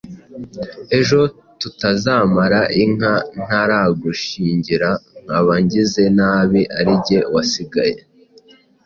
ejo tutazamara inka ntaragushyingira nkaba ngize nabi ari jye wasigaye